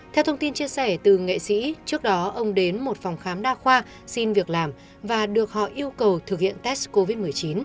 theo thông tin chia sẻ từ nghệ sĩ trước đó ông đến một phòng khám đa khoa xin việc làm và được họ yêu cầu thực hiện test covid một mươi chín